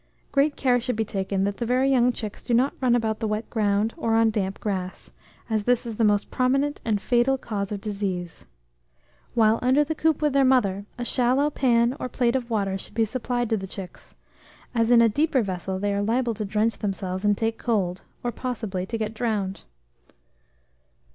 Great care should be taken that the very young chicks do not run about the wet ground or on damp grass, as this is the most prominent and fatal cause of disease. While under the coop with their mother, a shallow pan or plate of water should be supplied to the chicks, as in a deeper vessel they are liable to drench themselves and take cold, or possibly to get drowned.